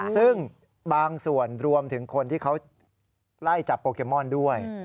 ซึ่งบางส่วนรวมถึงคนที่เขาไล่จับโปเกมอนด้วย